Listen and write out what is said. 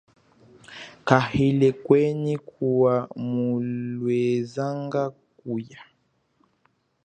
Kayile kwenyi kuwa mulwezanga kuya.